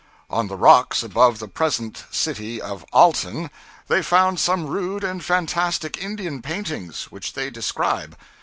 On the rocks above the present city of Alton they found some rude and fantastic Indian paintings, which they describe.